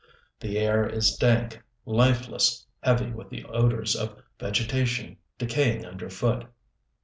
The air is dank, lifeless, heavy with the odors of vegetation decaying underfoot.